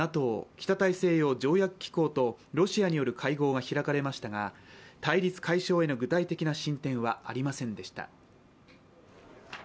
ＮＡＴＯ＝北大西洋条約機構とロシアによる会合が開かれましたが、対立解消への具体的な進展はありませんでした。